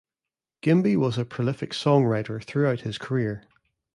Gimby was a prolific songwriter throughout his career.